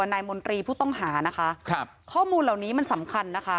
นายมนตรีผู้ต้องหานะคะครับข้อมูลเหล่านี้มันสำคัญนะคะ